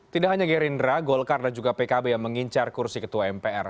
tidak hanya gerindra golkar dan juga pkb yang mengincar kursi ketua mpr